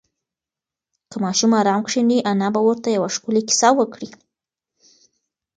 که ماشوم ارام کښېني، انا به ورته یوه ښکلې کیسه وکړي.